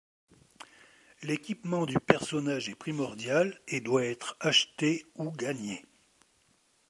L'équipement du personnage est primordial et doit être acheté ou gagné.